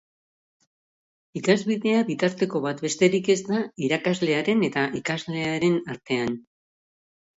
Ikasbidea bitarteko bat besterik ez da irakaslearen eta ikaslearen artean.